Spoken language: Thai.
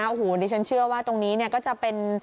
โอ้โหดิฉันเชื่อว่าตรงนี้เนี่ยก็จะเป็น